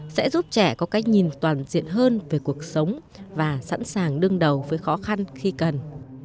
sẽ giúp trẻ có cách nhìn toàn diện hơn về cuộc sống và sẵn sàng đương đầu với khó khăn khi cần